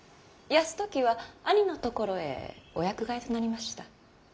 泰時は兄のところへお役替えとなりました。